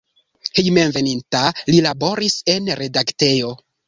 Hejmenveninta li laboris en redaktejo.